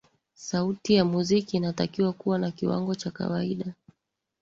sauti ya muziki inatakiwa kuwa na kiwango cha kawaida